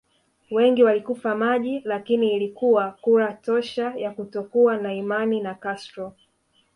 Wengi walikufa maji lakini ilikuwa kura tosha ya kutokuwa na imani na Castro